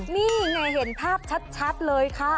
นี่ไงเห็นภาพชัดเลยค่ะ